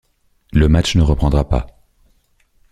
Le match ne reprendra pas.